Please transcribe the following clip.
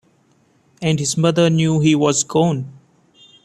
And his mother knew he was gone.